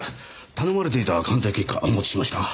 頼まれていた鑑定結果お持ちしました。